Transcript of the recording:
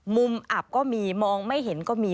อับก็มีมองไม่เห็นก็มี